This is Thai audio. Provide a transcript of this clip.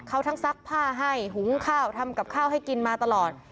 เขาทั้งซักผ้าให้หุงข้าวทำกับข้าวให้กินมาตลอด